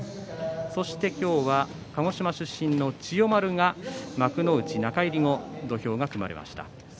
そして今日は鹿児島出身の千代丸が、中入り後幕内の土俵が組まれました。